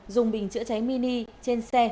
dùng bình chữa cháy mini trên xe